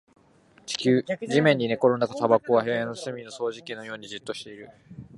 地面に寝転んだタバコは部屋の隅の掃除機のようにじっとしている